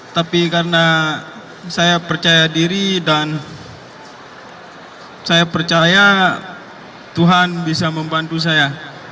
tapi karena saya percaya diri dan saya percaya tuhan bisa membantu saya